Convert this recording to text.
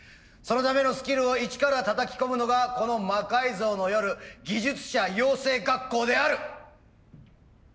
そのためのスキルを一からたたき込むのがこの「魔改造の夜技術者養成学校」である。